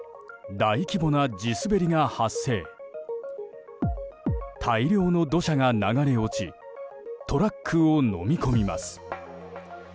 大量の土砂が流れ落ちトラックをのみ込みます。